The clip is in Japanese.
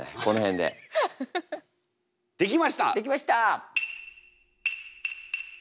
できました！